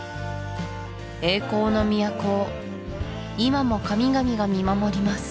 栄光の都を今も神々が見守ります